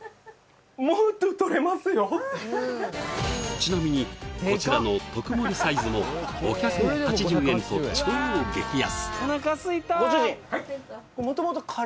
ちなみにこちらの特盛サイズも５８０円と超激安